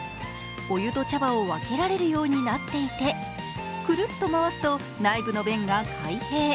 お湯と茶葉を分けられるようになっていてくるっと回すと内部の弁が開閉。